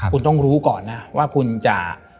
คุณต้องรู้ก่อนนะว่าคุณจะ